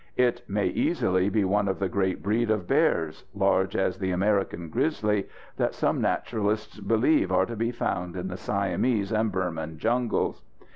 It may easily be one of the great breed of bears, large as the American grizzly, that some naturalists believe are to be found in the Siamese and Burman jungles.